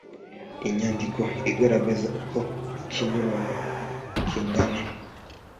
inyandiko igaragaza uko ikinyuranyo kingana